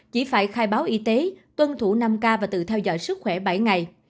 chỉ phải khai báo y tế tuân thủ năm k và tự theo dõi sức khỏe bảy ngày